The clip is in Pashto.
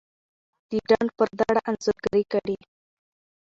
دډنډ پر دړه انځورګري کړي